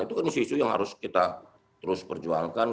itu kan isu isu yang harus kita terus perjuangkan